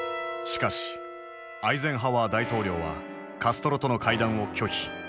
しかしアイゼンハワー大統領はカストロとの会談を拒否。